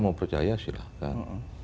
mau percaya silahkan